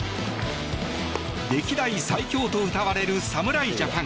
歴代最強とうたわれる侍ジャパン。